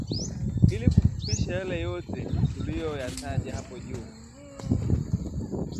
Ili kufupisha yale yote tuliyoyataja hapo juu